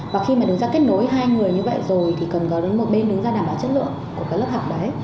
và khi mà đứng ra kết nối hai người như vậy rồi thì cần có đến một bên đứng ra đảm bảo chất lượng của cái lớp học đấy